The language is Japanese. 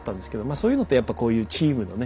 そういうのってやっぱこういうチームのね